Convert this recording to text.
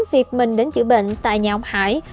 việc mình đến chữa bệnh tại nhà ông hải